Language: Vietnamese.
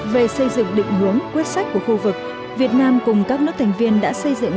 về xây dựng định hướng quyết sách của khu vực việt nam cùng các nước thành viên đã xây dựng